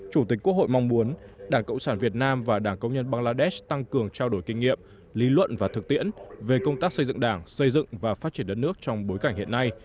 chủ tịch quốc hội mong muốn đảng cộng sản việt nam và đảng công nhân bangladesh tăng cường trao đổi kinh nghiệm lý luận và thực tiễn về công tác xây dựng đảng xây dựng và phát triển đất nước trong bối cảnh hiện nay